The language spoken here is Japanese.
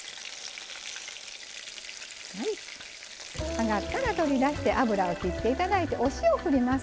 揚がったら取り出して油をきって頂いてお塩ふります。